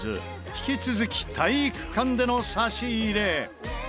引き続き体育館での差し入れ。